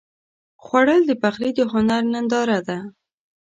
خوړل د پخلي د هنر ننداره ده